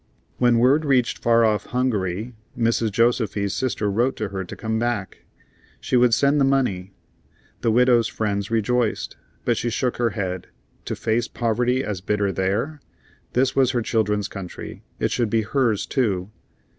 When word reached far off Hungary, Mrs. Josefy's sister wrote to her to come back; she would send the money. The widow's friends rejoiced, but she shook her head. To face poverty as bitter there? This was her children's country; it should be hers too.